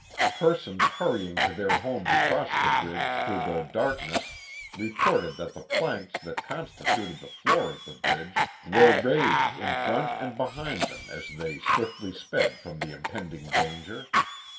Persons hurrying to their homes across the bridge through the dark ness reported that the planks that constituted the floor of the bridge were raised in front and behind them as they swiftly sped from the impending danger.